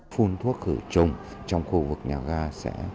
phun thuốc khử trùng trong khu vực nhà ga sẽ